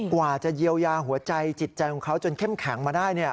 กว่าจะเยียวยาหัวใจจิตใจของเขาจนเข้มแข็งมาได้เนี่ย